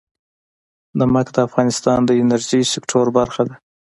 نمک د افغانستان د انرژۍ سکتور برخه ده.